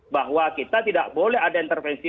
bahwa kita tidak boleh ada intervensi